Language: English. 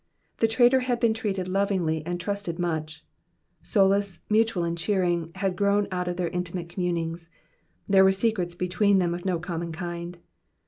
The traitor had been treated lovingly, and trusted much. Bolace, mutual and cheering^ had grown out of their intimate commu nings. Tiiere were secrets between them of no common kind.